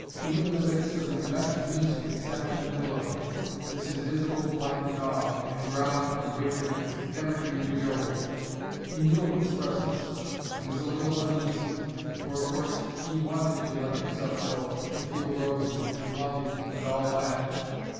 Even in the midst of his best music, it sat in the middle of him, this invisible black dog, and growled and waited, never to be cajoled. He knew of its presence and was a little uneasy. For of course he wanted to let himself go, to feel rosy and loving and all that.